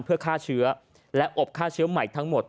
เพื่อฆ่าเชื้อและอบฆ่าเชื้อใหม่ทั้งหมด